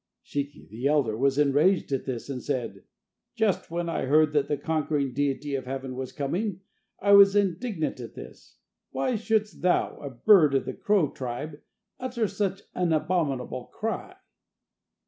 Shiki the elder was enraged at this and said: "Just when I heard that the conquering deity of heaven was coming I was indignant at this; why shouldst thou, a bird of the crow tribe, utter such an abominable cry?"